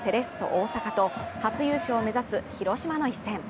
大阪と初優勝を目指す広島の一戦。